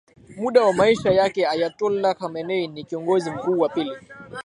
muda wa maisha yake Ayatollah Khamenei ni Kiongozi Mkuu wa pili